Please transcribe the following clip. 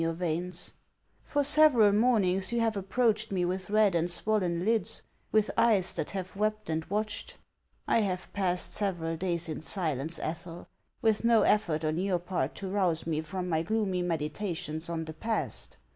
407 your veins. For several mornings you have approached me with red and swollen lids, with eyes that have wept and watched. I have passed several days in silence, Ethel, with no effort on your part to rouse me from my gloomy meditations on the past.